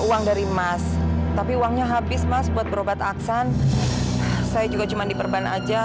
uang dari mas tapi uangnya habis mas buat berobat aksan saya juga cuma diperban aja